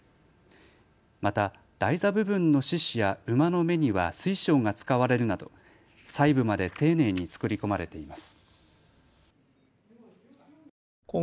また台座部分の獅子や馬の目には水晶が使われるなど細部まで丁寧に作り込まれています。